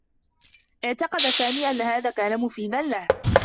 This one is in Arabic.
اعتقد سامي أنّ هذا كان مفيدا له.